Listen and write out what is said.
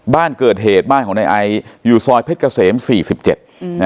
บ้านเกิดเหตุบ้านของในไอซ์อยู่ซอยเพชรเกษมสี่สิบเจ็ดอืม